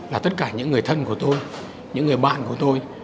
là tất cả những người thân của tôi những người bạn của tôi